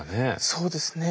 そうですね。